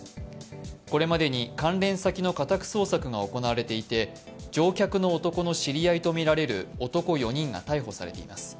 これまでに関連先の家宅捜索が行われていて乗客の男の知り合いとみられる男４人が逮捕されています。